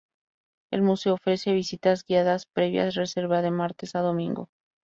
El museo ofrece visitas guiadas previa reserva de martes a domingo.